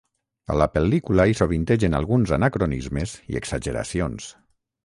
A la pel·lícula hi sovintegen alguns anacronismes i exageracions.